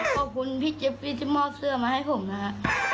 ขอบคุณพี่เจฟี่ที่มอบเสื้อมาให้ผมนะฮะ